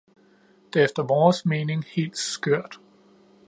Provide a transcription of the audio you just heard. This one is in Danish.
Det er efter vores mening helt skørt.